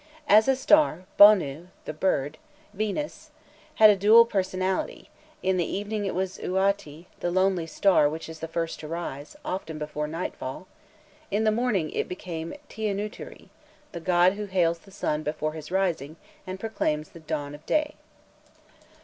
As a star Bonu, the bird (Yenus) had a dual personality; in the evening it was Uati, the lonely star which is the first to rise, often before nightfall; in the morning it became Tiûnûtiri, the god who hails the sun before his rising and proclaims the dawn of day.